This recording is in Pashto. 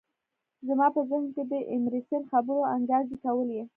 زما په ذهن کې د ایمرسن خبرو انګازې کولې